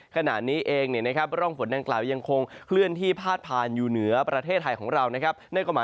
ขณะนี้เองร่องฝนดังกล่าวยังคงเคลื่อนที่พาดผ่านอยู่เหนือประเทศไทยของเรานะครับ